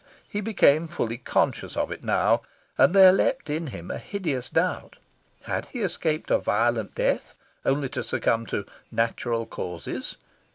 He became fully conscious of it now, and there leapt in him a hideous doubt: had he escaped a violent death only to succumb to "natural causes"?